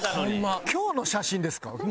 今日の写真ですか？